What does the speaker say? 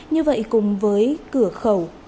như vậy cùng với cửa khẩu